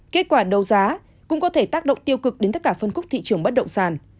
kết quả đấu giá cũng có thể tác động tiêu cực đến tất cả phân khúc thị trường bất động sản